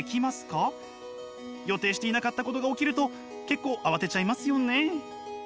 予定していなかったことが起きると結構慌てちゃいますよね。